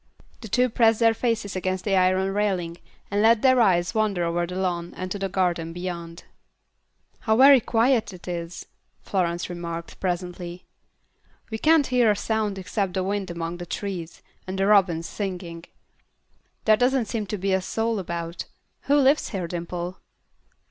The two pressed their faces against the iron railing, and let their eyes wander over the lawn and to the garden beyond. "How very quiet it is," Florence remarked, presently. "We can't hear a sound except the wind among the trees, and the robins singing. There doesn't seem to be a soul about. Who lives here, Dimple?"